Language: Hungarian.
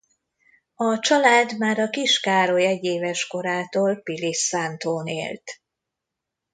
A család már a kis Károly egyéves korától Pilisszántón élt.